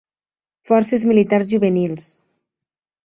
Forces Militars Juvenils